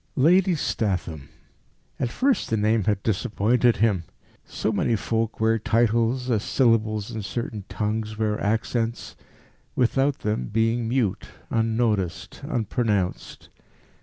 Lady Statham! At first the name had disappointed him. So many folk wear titles, as syllables in certain tongues wear accents without them being mute, unnoticed, unpronounced.